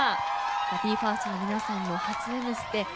ＢＥ：ＦＩＲＳＴの皆さんの初「Ｍステ」